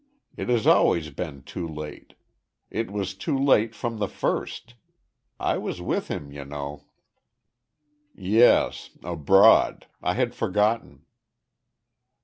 "It has always been too late. It was too late from the first. I was with him, you know." "Yes abroad. I had forgotten."